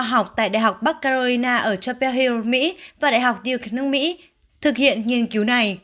học tại đại học bắc carolina ở chapel hill mỹ và đại học duke nước mỹ thực hiện nghiên cứu này